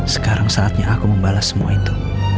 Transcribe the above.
sekarang saatnya aku membalas semua itu